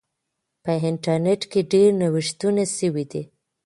په انټرنیټ کې ډیر نوښتونه سوي دي.